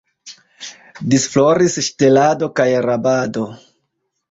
Disfloris ŝtelado kaj rabado.